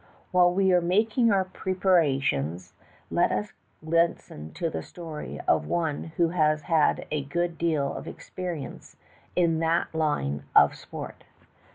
While we are making our preparations, let us listen to the story of one who has had a good deal of experience in that line of sport.